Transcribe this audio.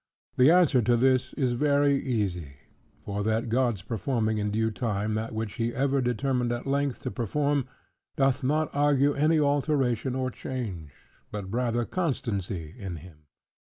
The answer to this is very easy, for that God's performing in due time that which he ever determined at length to perform, doth not argue any alteration or change, but rather constancy in him.